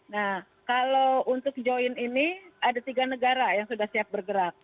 nah kalau untuk join ini ada tiga negara yang sudah siap bergerak